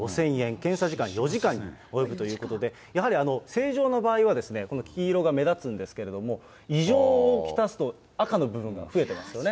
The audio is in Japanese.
検査時間４時間に及ぶということで、正常な場合はこの黄色が目立つんですけれども、異常を来すと赤の部分が増えていますよね。